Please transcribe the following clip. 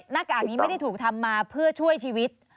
หน้ากากนี้ไม่ได้ถูกทำมาเพื่อช่วยชีวิต